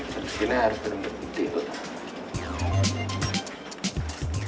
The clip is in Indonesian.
bersihinnya harus benar benar putih